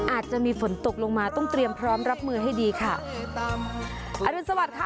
อาจจะมีฝนตกลงมาต้องเตรียมพร้อมรับมือให้ดีค่ะอรุณสวัสดิ์ค่ะ